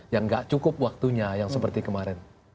yang gak cukup waktunya yang seperti kemarin